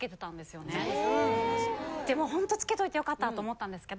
ほんと付けといて良かったと思ったんですけど。